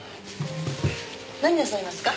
何になさいますか？